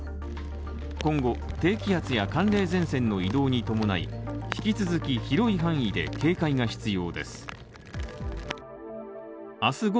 今後、低気圧や寒冷前線の移動に伴い引き続き、広い範囲で警戒が必要です。